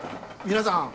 皆さん。